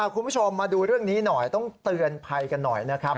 คุณผู้ชมมาดูเรื่องนี้หน่อยต้องเตือนภัยกันหน่อยนะครับ